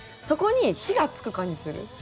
そこに火がつく感じする。